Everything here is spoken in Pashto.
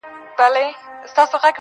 اوس له خپل ځان څخه پردى يمه زه.